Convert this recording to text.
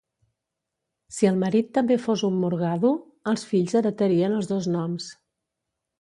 Si el marit també fos un morgado, els fills heretarien els dos noms.